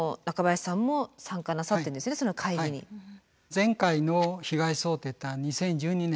前回の被害想定は２０１２年。